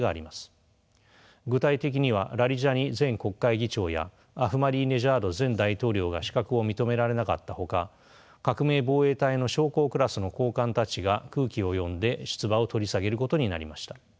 具体的にはラリジャニ前国会議長やアフマディネジャード前大統領が資格を認められなかったほか革命防衛隊の将校クラスの高官たちが空気を読んで出馬を取り下げることになりました。